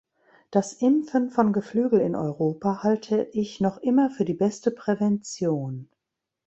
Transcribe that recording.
Das Impfen von Geflügel in Europa halte ich noch immer für die beste Prävention.